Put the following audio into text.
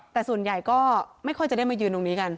แต่ส่วนใหญ่ก็ไม่ค่อยจะได้มายืนตรงนี้กัน